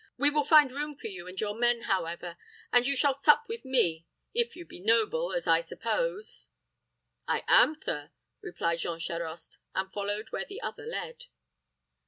We will find room for you and your men, however; and you shall sup with me if you be noble, as I suppose." "I am, sir," replied Jean Charost, and followed where the other led.